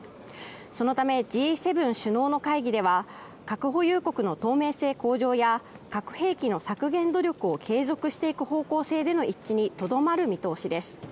そのため、Ｇ７首脳の会議では核保有国の透明性向上や核兵器の削減努力を継続していく方向性での一致にとどまる見通しです。